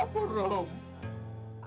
masa lu apa rum